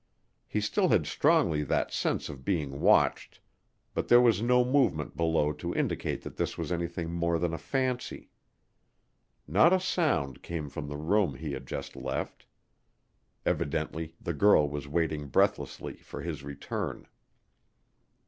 He still had strongly that sense of being watched, but there was no movement below to indicate that this was anything more than a fancy. Not a sound came from the room he had just left. Evidently the girl was waiting breathlessly for his return.